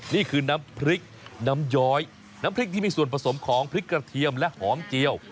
นี่คือน้ำพริกน้ำย้อยน้ำพริกที่มีส่วนผสมของพริกกระเทียมและหอมเจียว